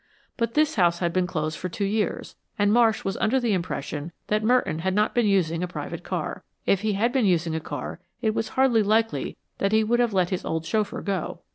But this house had been closed for two years, and Marsh was under the impression that Merton had not been using a private car. If he had been using a car it was hardly likely that he would have let his old chauffeur go.